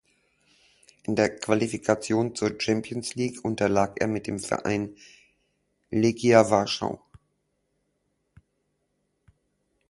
In der Qualifikation zur Champions League unterlag er mit dem Verein Legia Warschau.